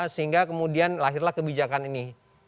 sehingga kemudian lahirlah kebijakan ini